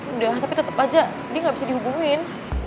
udah tapi tetep aja dia gak bisa dihubungin